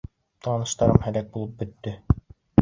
Таныштарым һәләк булып бөттө.